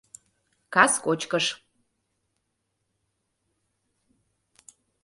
Кас кочкыш!